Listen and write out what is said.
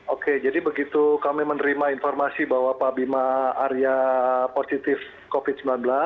oke jadi begitu kami menerima informasi bahwa pak bima arya positif covid sembilan belas